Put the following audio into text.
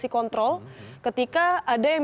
kontrol ketika ada yang